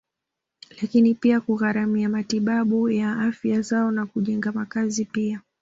Lakini pia kugharimia matibabu ya afya zao na kujenga makazi pia